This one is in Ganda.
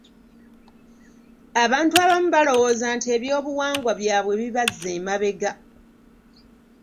Abantu abamu balowooza nti eby'obuwangwa bwabwe bibazza emabega.